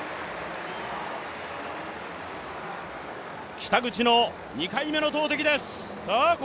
北口の２回目の投てきです。